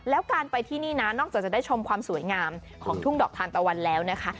แล้วการไปที่นี่นะนอกจากจะได้ชมความสวยงามของทุ่งดอกทานตะวันแล้วนะคะ